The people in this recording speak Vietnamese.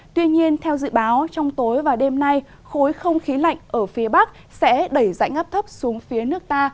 tuy nhiên theo dự báo trong tối và đêm nay khối không khí lạnh ở phía bắc sẽ đẩy dãy ngắp thấp xuống phía nước ta